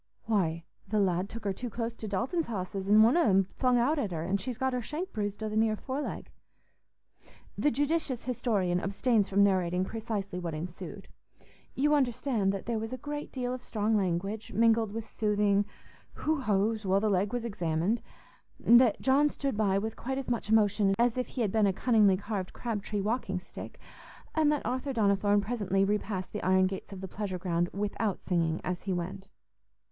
"Why, th' lad took her too close to Dalton's hosses, an' one on 'em flung out at her, an' she's got her shank bruised o' the near foreleg." The judicious historian abstains from narrating precisely what ensued. You understand that there was a great deal of strong language, mingled with soothing "who ho's" while the leg was examined; that John stood by with quite as much emotion as if he had been a cunningly carved crab tree walking stick, and that Arthur Donnithorne presently repassed the iron gates of the pleasure ground without singing as he went.